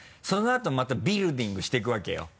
そのあとまたビルディングしていくわけよ。